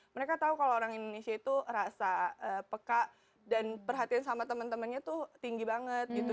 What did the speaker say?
mereka tahu kalau orang indonesia itu rasa peka dan perhatian sama temen temennya tuh tinggi banget gitu